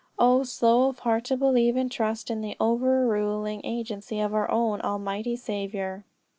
O slow of heart to believe and trust in the over ruling agency of our own Almighty Saviour!"